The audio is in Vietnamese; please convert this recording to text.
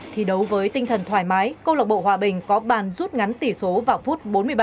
thì đấu với tinh thần thoải mái câu lọc bộ hòa bình có bàn rút ngắn tỷ số vào phút bốn mươi ba